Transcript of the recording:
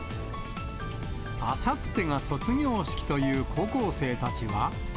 あさってが卒業式という高校生たちは。